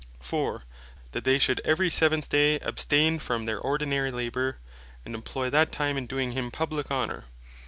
4. That "they should every Seventh day abstain from their ordinary labour," and employ that time in doing him Publique Honor.